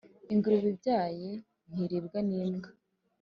Ingurube ibyaye ntiribwa n’imbwa.